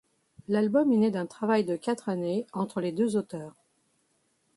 L'album est né d'un travail de quatre années entre les deux auteurs.